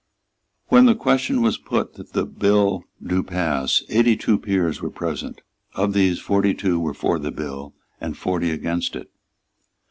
When the question was put that the bill do pass, eighty two peers were present. Of these forty two were for the bill, and forty against it.